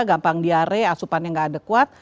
gampang diare asupannya nggak adekuat